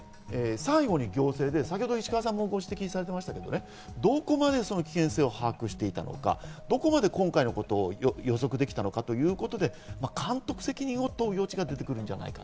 最後に行政で石川さんもご指摘されていましたが、どこまで危険性を把握していたのか、どこまで今回のことを予測できたのかの監督責任を問う余地が出てくるんじゃないか。